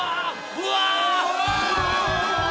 うわ！